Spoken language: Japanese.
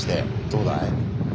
どうだい？